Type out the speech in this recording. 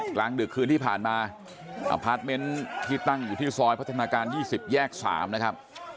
กลางดึกคืนที่ผ่านมาอพาร์ทเมนต์ที่ตั้งอยู่ที่ซอยพัฒนาการ๒๐แยก๓นะครับ